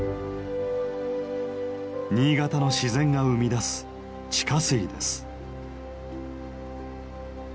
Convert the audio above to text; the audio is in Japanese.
新潟の自然が生み出す地下水です。